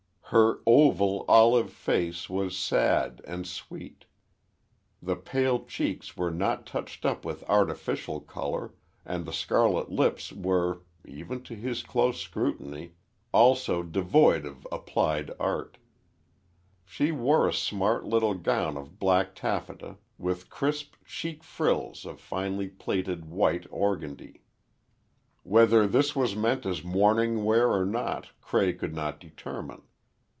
Her oval, olive face was sad and sweet. The pale cheeks were not touched up with artificial color, and the scarlet lips were, even to his close scrutiny, also devoid of applied art. She wore a smart little gown of black taffeta, with crisp, chic frills of finely plaited white organdie. Whether this was meant as mourning wear or not, Cray could not determine.